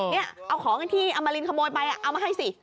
เอาของที่อำมารินขโมยไปเอามาให้สิ